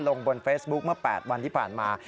ลงบนเฟซบุ๊คเมื่อ๘วันที่ผ่านมา